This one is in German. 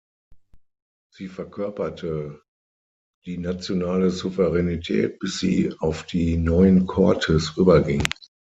Sie verkörperte die nationale Souveränität bis sie auf die neuen Cortes überging.